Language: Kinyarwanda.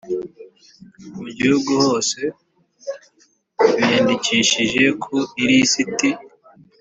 mu gihugu hose biyandikishije ku ilisiti